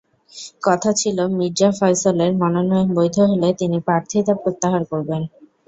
কথা ছিল মির্জা ফয়সলের মনোনয়ন বৈধ হলে তিনি প্রার্থিতা প্রত্যাহার করবেন।